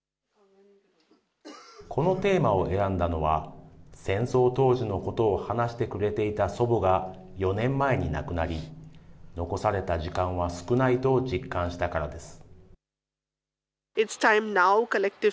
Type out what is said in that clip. このテーマを選んだのは、戦争当時のことを話してくれていた祖母が、４年前に亡くなり、残された時間は少ないと実感したからです。